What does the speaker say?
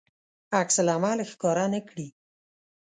عکس العمل ښکاره نه کړي.